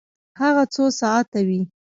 هغه څو ساعته وی؟